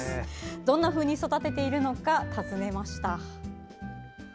どんなふうに育てているのか訪ねました。